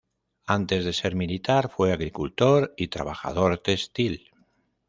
Antes de ser militar, fue agricultor y trabajador textil.